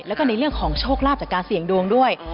แล้วก็ในเรื่องของโชคลาภจากการเสี่ยงดวงด้วย